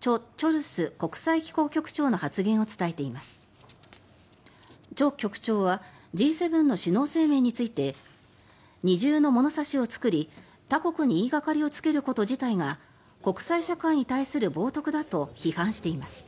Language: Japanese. チョ局長はＧ７の首脳声明について二重の物差しを作り他国に言いがかりをつけること自体が国際社会に対する冒とくだと批判しています。